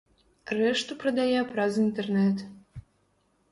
Рэшту прадае праз інтэрнэт.